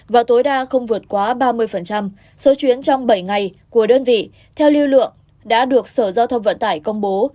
và tối đa không vượt quá ba mươi số chuyến trong bảy ngày của đơn vị theo lưu lượng đã được sở giao thông vận tải công bố